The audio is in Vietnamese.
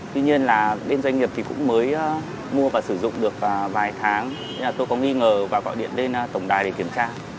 tuy nhiên là bên doanh nghiệp thì cũng mới mua và sử dụng được vài tháng nên là tôi có nghi ngờ và gọi điện lên tổng đài để kiểm tra